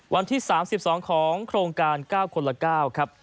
วันที่๓๒ของโครงการ๙คนละ๙ครับ